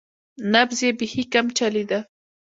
نبض یې بیخي کم چلیده.